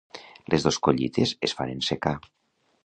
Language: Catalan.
Les dos collites es fan en secà.